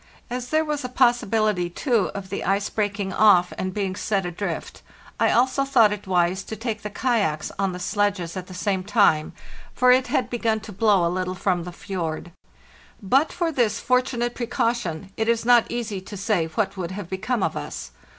As there was a pos sibility, too, of the ice breaking off and being set adrift, I also thought it wise to take the kayaks on the sledges at the same time, for it had begun to blow a little from the fjord. But for this fortunate precaution it is not easy to say what would have become of us.